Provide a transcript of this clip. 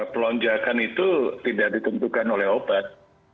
pelonjakan itu tidak ditentukan oleh obat